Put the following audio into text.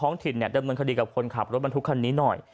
ถิ่นเนี่ยดำเนินคดีกับคนขับรถบรรทุกคันนี้หน่อย